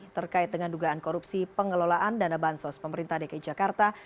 terkait dengan dugaan korupsi pengelolaan dana bansos pemerintah dki jakarta